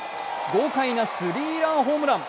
豪快なスリーランホームラン。